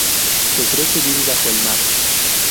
Se cree que vive bajo el mar.